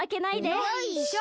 よいしょ！